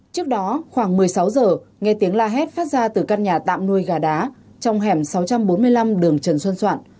trước đó khoảng một mươi sáu giờ nghe tiếng la hét phát ra từ căn nhà tạm nuôi gà đá trong hẻm sáu trăm bốn mươi năm đường trần xuân soạn